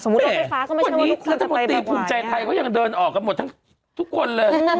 วันนี้รัฐมนตรีภูมิใจไทยเขายังเดินออกกันหมดทั้งทุกคนเลย